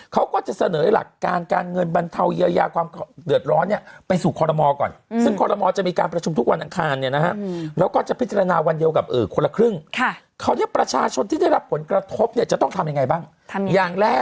เขาก็จะเสนอให้หลักการการเงินบรรเทาเยอะยา